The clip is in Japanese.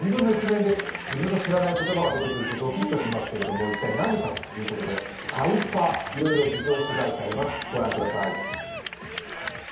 自分の知らない言葉が出てくるとドキッとしますけれども、一体、何かということで、タイパ、いろいろ事情を取材してあります。